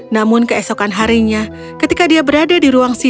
namun keesokan harinya ketika dia berada di ruang sidang